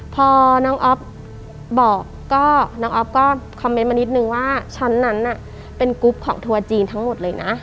พอน้องอ๊อฟบอกก็น้องอ๊อฟก็คอมเมนต์มานิดนึงว่าชั้นนั้นเป็นกรุ๊ปของทัวร์จีนทั้งหมดเลยนะ